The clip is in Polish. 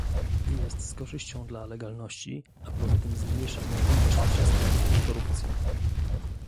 Jest z korzyścią dla legalności, a poza tym zmniejsza możliwość przestępstw i korupcji